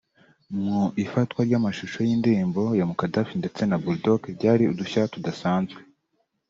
Mu ifatwa ry’amashusho y’ indirimbo ya Mukadaff ndetse na Bul Dog byari udushya tudasanzwe